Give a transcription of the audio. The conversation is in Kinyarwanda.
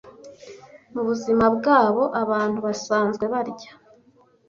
Mubuzima bwabo abantu basanzwe barya